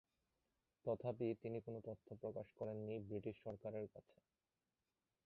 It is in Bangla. তথাপি তিনি কোন তথ্য প্রকাশ করেন নি ব্রিটিশ সরকারের কাছে।